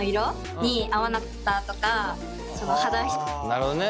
なるほどね。